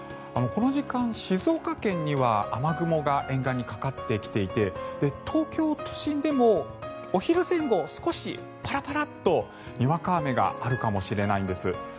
この時間、静岡県には雨雲が沿岸にかかってきていて東京都心でもお昼前後少しパラパラとにわか雨があるかもしれないんです。